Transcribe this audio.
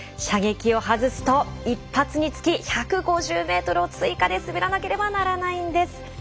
射撃を外すと１発につき１５０ｍを追加で滑らなければならないんです。